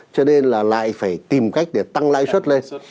cho nên là lại phải tìm cách để tăng lãi suất lên